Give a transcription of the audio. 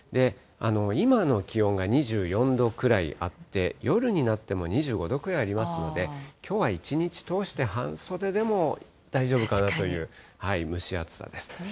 今の気温が２４度くらいあって、夜になっても２５度くらいありますので、きょうは一日通して、半袖でも大丈夫かなという蒸し暑さです。